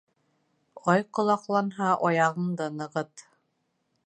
Ай ҡолаҡланһа, аяғынды нығыт